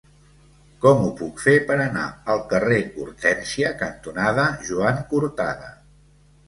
Com ho puc fer per anar al carrer Hortènsia cantonada Joan Cortada?